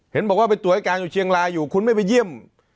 เห็นบอกว่าไปตรวจอาการอยู่เชียงรายอยู่คุณไม่ไปเยี่ยม